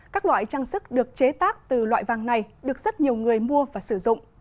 các loại trang sức được chế tác từ loại vàng này được rất nhiều người mua và sử dụng